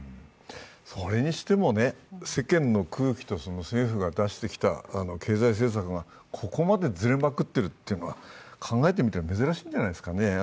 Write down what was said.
それにしても、世間の空気と政府が出してきた経済政策がここまでずれまくってるというのは考えてみたら珍しいんじゃないでしょうか。